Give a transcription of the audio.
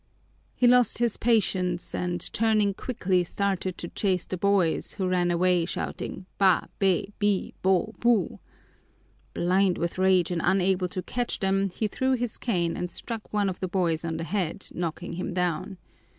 He lost his patience and, turning quickly, started to chase the boys, who ran away shouting ba, be, bi, bo, bu. Blind with rage and unable to catch them, he threw his cane and struck one of the boys on the head, knocking him down.